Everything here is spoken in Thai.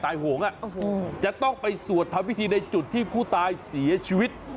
โหงจะต้องไปสวดทำพิธีในจุดที่ผู้ตายเสียชีวิต